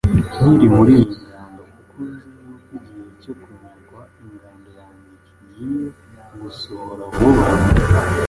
nkiri muri iyi ngando; kuko nzi yuko igihe cyo kunyagwa ingando yanjye kigiye gusohora vuba